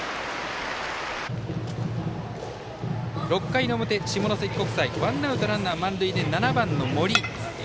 ６回の表、下関国際ワンアウトランナー満塁で７番の森。